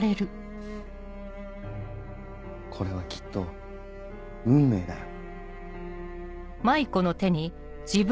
これはきっと運命だよ